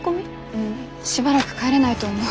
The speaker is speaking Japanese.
うんしばらく帰れないと思う。